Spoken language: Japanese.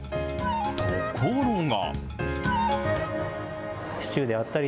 ところが。